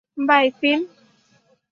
By, fin.